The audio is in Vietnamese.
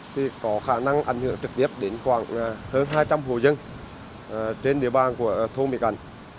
thì có khả năng ảnh hưởng trực tiếp đến khoảng hơn hai trăm linh hồ dân trên địa bàn của thôn mỹ cảnh